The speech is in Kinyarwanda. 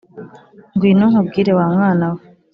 ngwino nkubwire wa mwana we